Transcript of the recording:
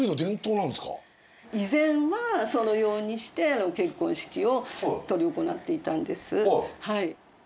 以前はそのようにして結婚式を執り行っていたんです。